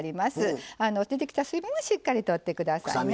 出てきた水分はしっかりとって下さい。